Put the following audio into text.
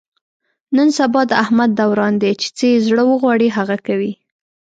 نن سبا د احمد دوران دی، چې څه یې زړه و غواړي هغه کوي.